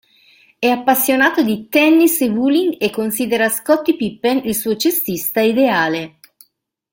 È appassionato di tennis e bowling e considera Scottie Pippen il suo cestista ideale.